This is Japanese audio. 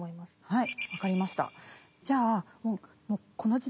はい。